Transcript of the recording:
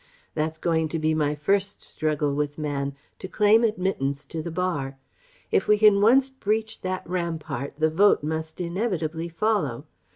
That's going to be my first struggle with Man: to claim admittance to the Bar.... If we can once breach that rampart the Vote must inevitably follow.